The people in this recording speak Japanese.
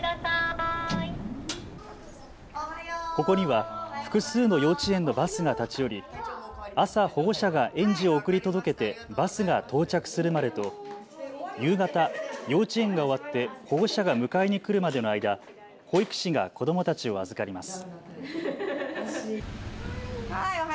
ここには複数の幼稚園のバスが立ち寄り朝、保護者が園児を送り届けてバスが到着するまでと、夕方、幼稚園が終わって保護者が迎えに来るまでの間、保育士が子どもたちを預かります。